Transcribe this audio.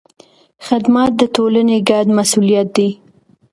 خدمت د ټولنې ګډ مسوولیت دی.